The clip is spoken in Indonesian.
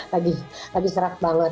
lagi lagi serak banget